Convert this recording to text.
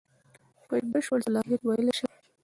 په بشپړ صلاحیت ویلای شم.